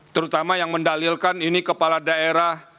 terutama yang mendalilkan ini kepala daerah